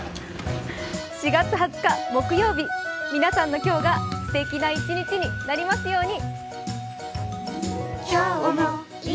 ４月２０日木曜日皆さんの今日がすてきな一日になりますように。